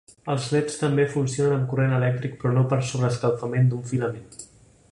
Els leds també funcionen amb corrent elèctric però no per sobreescalfament d'un filament.